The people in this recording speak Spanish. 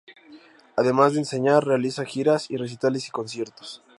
Además de enseñar, realiza giras y recitales y conciertos.